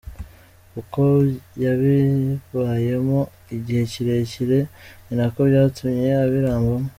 Uko yabibayemo igihe kirekire ni nako byatumye abirambamo.